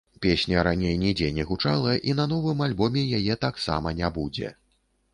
Песня раней нідзе не гучала і на новым альбоме яе таксама не будзе.